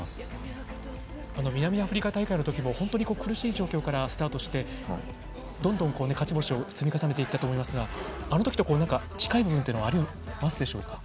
南アフリカ大会の時も本当に苦しい状況からスタートしてどんどん勝ち星を積み重ねていったと思いますが、あの時と何か近いものはありますでしょうか？